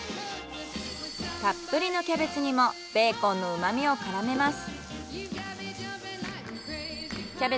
たっぷりのキャベツにもベーコンの旨味を絡めます。